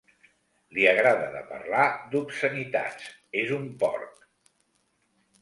Li agrada de parlar d'obscenitats: és un porc.